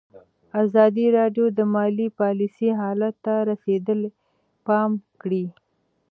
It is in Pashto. ازادي راډیو د مالي پالیسي حالت ته رسېدلي پام کړی.